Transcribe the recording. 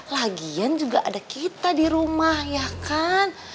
lagian juga ada kita di rumah ya kan